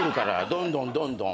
どんどんどんどん。